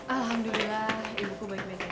alhamdulillah ibuku baik baik saja